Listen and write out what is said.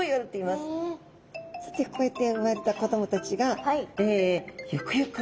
こうやって産まれた子供たちがゆくゆく